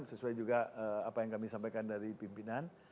sesuai juga apa yang kami sampaikan dari pimpinan